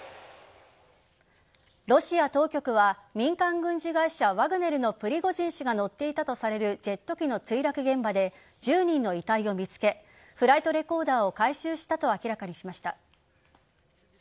ロシア当局は民間軍事会社・ワグネルのプリゴジン氏が乗っていたとされるジェット機の墜落現場で１０人の遺体を見つけフライトレコーダーを回収したと明らかにしました。